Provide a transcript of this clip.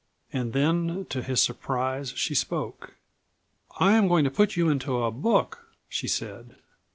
And then to his surprise she spoke. "I am going to put you into a book," she said.